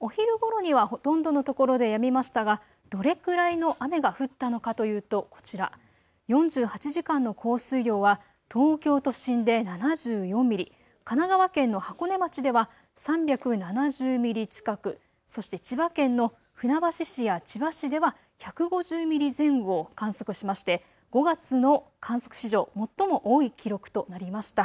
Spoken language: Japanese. お昼ごろにはほとんどの所でやみましたがどれくらいの雨が降ったのかというとこちら、４８時間の降水量は東京都心で７４ミリ、神奈川県の箱根町では３７０ミリ近く、そして千葉県の船橋市や千葉市では１５０ミリ前後を観測しまして５月の観測史上最も多い記録となりました。